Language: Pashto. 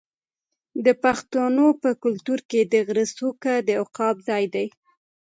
د پښتنو په کلتور کې د غره څوکه د عقاب ځای دی.